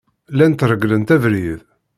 Llant regglent abrid.